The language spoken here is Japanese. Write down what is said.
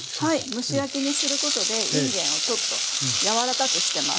蒸し焼きにすることでいんげんをちょっとやわらかくしてます。